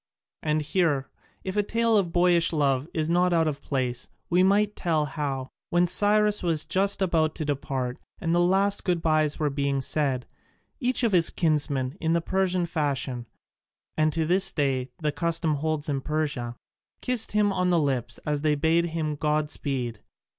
And here, if a tale of boyish love is not out of place, we might tell how, when Cyrus was just about to depart and the last good byes were being said, each of his kinsmen in the Persian fashion and to this day the custom holds in Persia kissed him on the lips as they bade him god speed.